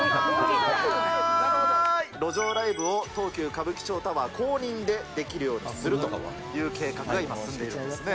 路上ライブを、東急歌舞伎町タワー公認でできるようにするという計画が今、進んでいるんですね。